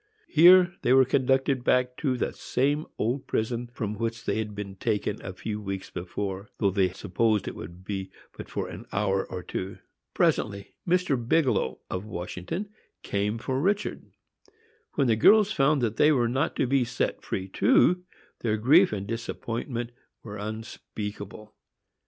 Here they were conducted back to the same old prison from which they had been taken a few weeks before, though they supposed it would be but for an hour or two. Presently Mr. Bigelow, of Washington, came for Richard. When the girls found that they were not to be set free too, their grief and disappointment were unspeakable.